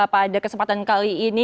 pada kesempatan kali ini